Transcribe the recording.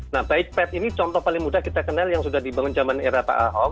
nah bike pat ini contoh paling mudah kita kenal yang sudah dibangun zaman era pak ahok